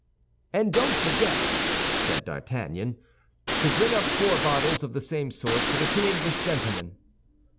"And don't forget," said D'Artagnan, "to bring up four bottles of the same sort for the two English gentlemen."